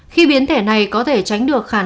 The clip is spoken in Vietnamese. khi biến thẻ này có thể tránh được khả năng